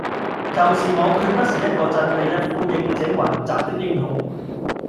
就是我決不是一個振臂一呼應者雲集的英雄。